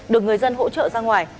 được người dân hỗ trợ ra ngoài